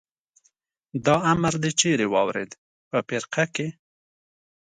دا امر دې چېرې واورېد؟ په فرقه کې.